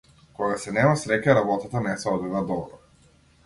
Кога се нема среќа работата не се одвива добро.